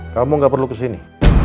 kamu gak perlu kesini